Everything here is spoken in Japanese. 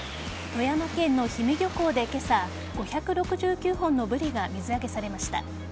富山県の氷見漁港で今朝５６９本のブリが水揚げされました。